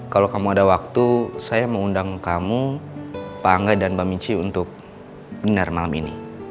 kalau kamu ada waktu saya mau undang kamu pak angga dan mbak michi untuk binar malam ini